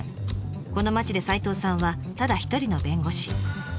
この町で齋藤さんはただ一人の弁護士。